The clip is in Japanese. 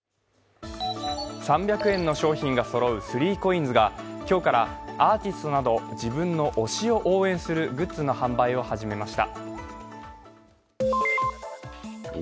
３００円の商品がそろう３ＣＯＩＮＳが今日からアーティストなど自分の推しを応援するグッズの販売を始めました。